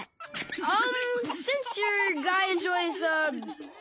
ああ。